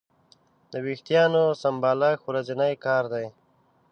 د وېښتیانو سمبالښت ورځنی کار دی.